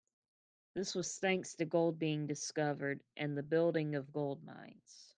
This was thanks to gold being discovered and the building of gold mines.